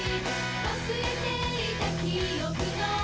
「忘れていた記憶の」